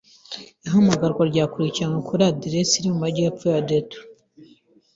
Ihamagarwa ryakurikiranwe kuri aderesi iri mu majyepfo ya Detroit.